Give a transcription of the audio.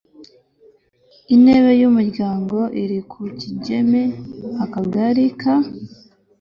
Intebe y Umuryango iri ku Kigeme Akagari ka